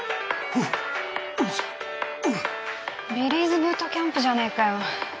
ビリーズブートキャンプじゃねえかよ。